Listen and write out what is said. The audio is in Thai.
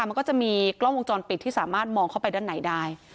มันก็จะมีกล้องวงจรปิดที่สามารถมองเข้าไปด้านในได้